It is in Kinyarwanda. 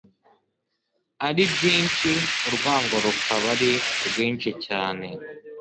ari byinshi urwango rukaba ari rwinshi cyane